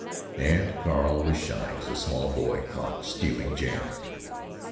And Carl was shy as a small boy caught stealing the jam.